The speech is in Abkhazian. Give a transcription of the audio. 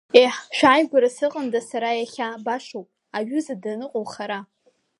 Еҳ, шәааигәара сыҟанда иахьа сара, башоуп, аҩыза даныҟоу хара!